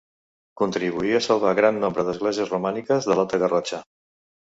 Contribuí a salvar gran nombre d'esglésies romàniques de l'Alta Garrotxa.